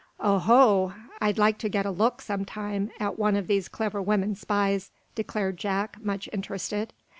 "Oho! I'd like to get a look, some time, at one of these clever women spies," declared Jack, much interested.